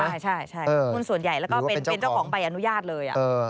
ใช่หุ้นส่วนใหญ่แล้วก็เป็นเจ้าของใบอนุญาตเลย